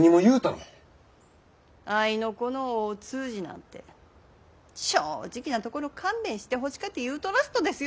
合いの子の大通詞なんて正直なところ勘弁してほしかて言うとらすとですよ。